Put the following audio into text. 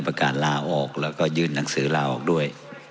ได้ประกาศลาออกแล้วก็ยืนหนังสือลาออกด้วย